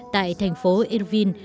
tại thành phố irvin